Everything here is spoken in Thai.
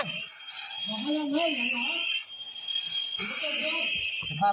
มีคนอยู่หรือ